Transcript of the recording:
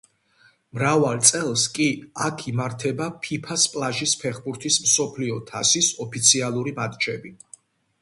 მრავალ წელს კი აქ იმართება ფიფას პლაჟის ფეხბურთის მსოფლიო თასის ოფიციალური მატჩები.